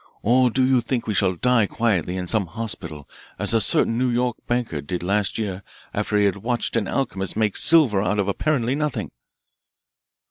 Or do you think we shall die quietly in some hospital as a certain New York banker did last year after he had watched an alchemist make silver out of apparently nothing!"